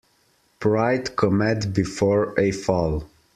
Pride cometh before a fall.